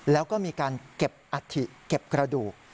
แล้วก็มีการเก็บอัฐิเก็บกระดูก